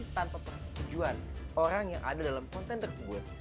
tanpa persetujuan orang yang ada dalam konten tersebut